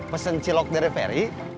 pesen cilok dari ferry